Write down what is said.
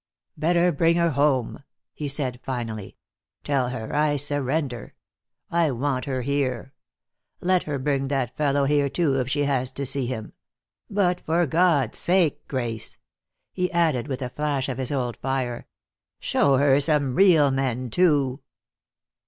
"Better bring her home," he said finally. "Tell her I surrender. I want her here. Let her bring that fellow here, too, if she has to see him. But for God's sake, Grace," he added, with a flash of his old fire, "show her some real men, too."